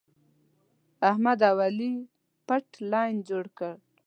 احمد او علي پټ لین جوړ کړی.